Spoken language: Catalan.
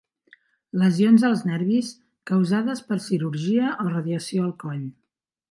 Lesions als nervis causades per cirurgia o radiació al coll.